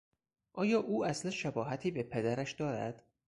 آیا او اصلا شباهتی به پدرش دارد؟